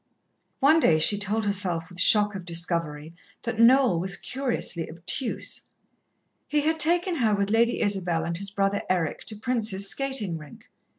One day she told herself, with shock of discovery, that Noel was curiously obtuse. He had taken her with Lady Isabel and his brother Eric to Prince's skating rink.